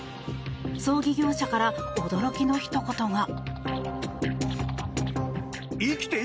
葬儀業者から驚きのひと言が。